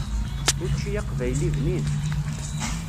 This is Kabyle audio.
Učči aqbayli bnin.